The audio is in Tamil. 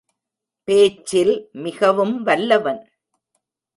பேச்சில் மிகவும் வல்லவன்.